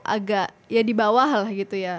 agak ya di bawah lah gitu ya